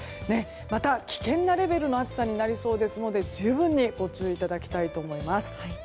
また、危険なレベルの暑さになりそうですので十分ご注意いただきたいと思います。